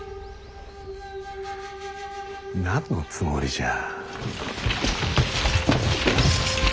何のつもりじゃ。